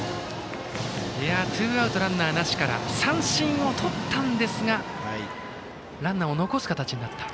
ツーアウト、ランナーなしから三振をとったんですがランナーを残す形になった。